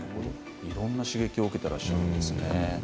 いろいろな刺激を受けていらっしゃるんですね。